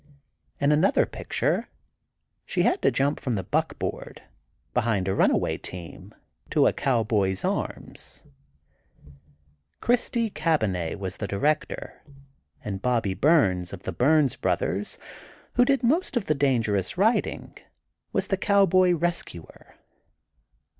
In another picture, she had to jump from a buckboard, behind a runaway team, to a cowboy's arms. Christy Cabanné was the director, and Bobby Burns, of the Burns Brothers who did most of the dangerous riding, was the cowboy rescuer.